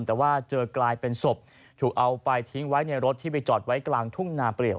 แต่ว่าเจอกลายเป็นศพถูกเอาไปทิ้งไว้ในรถที่ไปจอดไว้กลางทุ่งนาเปรียบ